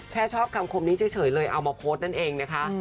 แค่ชอบคำคมนี้เฉยเลยเอามาโพสต์นั่นเองนะคะ